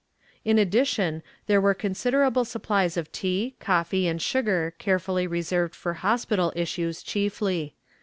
"In addition, there were considerable supplies of tea, coffee, and sugar carefully reserved for hospital issues chiefly.